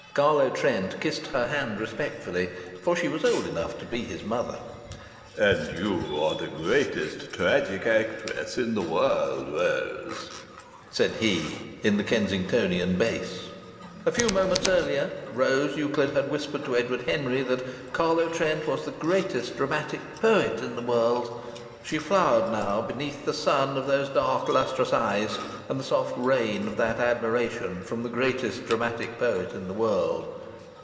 Carlo Trent kissed her hand, respectfully for she was old enough to be his mother. "And you are the greatest tragic actress in the world, Ra ose!" said he in the Kensingtonian bass. A few moments earlier Rose Euclid had whispered to Edward Henry that Carlo Trent was the greatest dramatic poet in the world. She flowered now beneath the sun of those dark lustrous eyes and the soft rain of that admiration from the greatest dramatic poet in the world.